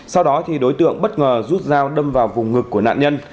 sau đó thì đối tượng bất ngờ rút dao đâm vào vùng ngực của nạn nhân